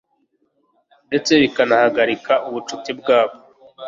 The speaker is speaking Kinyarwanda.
ndetse bikanahagarika ubucuti bwabo